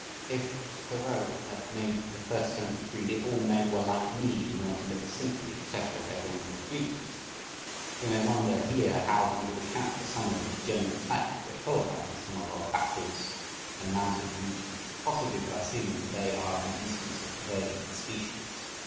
If Thoreau had made the first sentence read: "If all men were like me and were to live as simply," etc., everyone would agree with him. We may wonder here how he would account for some of the degenerate types we are told about in some of our backwoods and mountain regions. Possibly by assuming that they are an instance of perversion of the species.